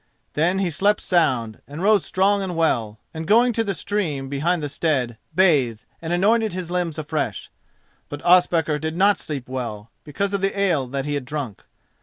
Then he slept sound, and rose strong and well, and going to the stream behind the stead, bathed, and anointed his limbs afresh. But Ospakar did not sleep well, because of the ale that he had drunk.